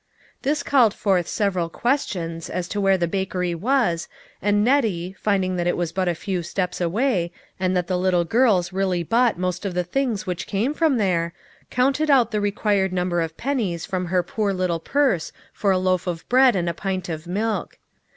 This called forth several questions as to where the bakery was, and Nettie, finding that it was but a few steps away, and that the little girls really bought most of the things which came from there, counted out the required number of pennies from her poor little purse for a loaf of bread and a pint of milk.